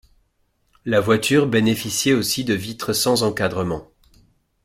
La voiture bénéficiait aussi de vitres sans encadrement.